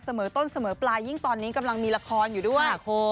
เสมอต้นเสมอปลายยิ่งตอนนี้กำลังมีละครอยู่ด้วย